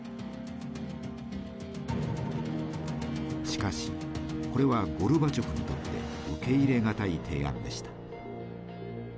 しかしこれはゴルバチョフにとって受け入れがたい提案でした。